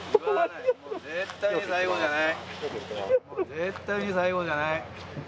絶対に最後じゃない。